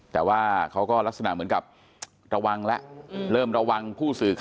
แต่ว่าเขาก็ลักษณะเหมือนกับระวังแล้วเริ่มระวังผู้สื่อข่าว